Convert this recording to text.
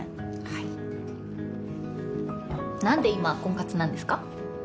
はい何で今婚活なんですか？